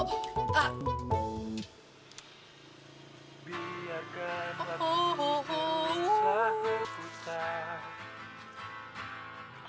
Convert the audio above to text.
kau bisa berputar